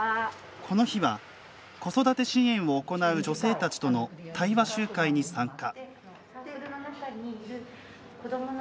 この日は、子育て支援を行う女性たちとの対話集会に参加。